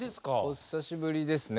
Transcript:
お久しぶりですね。